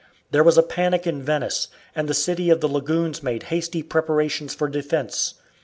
There was a panic in Venice, and the city of the lagoons made hasty preparations for defence.